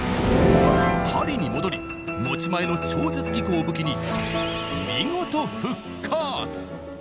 パリに戻り持ち前の超絶技巧を武器に見事復活！